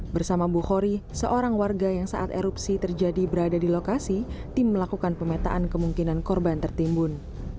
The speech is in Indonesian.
bersama bu hori seorang warga yang saat erupsi terjadi berada di lokasi tim melakukan pemetaan kemungkinan korban tertimbun